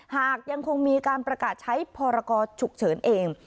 หากยังคงมีการประกาศใช้พรกรฉุกเฉินเอง